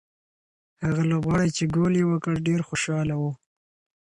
هغه لوبغاړی چې ګول یې وکړ ډېر خوشاله و.